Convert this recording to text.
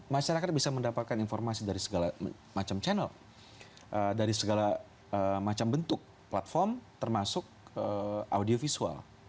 masyarakat bisa mendapatkan informasi dari segala macam channel dari segala macam bentuk platform termasuk audiovisual